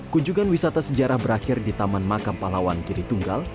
kunjungan wisata sejarah berakhir di taman makam pahlawan kiri tunggal